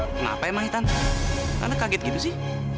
kenapa emang tante tante kaget gitu sih